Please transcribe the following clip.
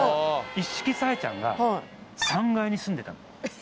一色紗英ちゃんが３階に住んでたの。